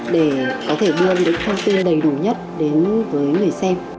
để có thể đưa những thông tin đầy đủ nhất đến với người xem